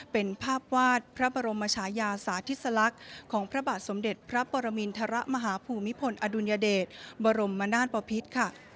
เป็นภาพวาดพระบรมชายาสาธิสลักษณ์ของพระบาทสมเด็จพระปรมินทรมาฮภูมิพลอดุลยเดชบรมนาศปภิษค่ะ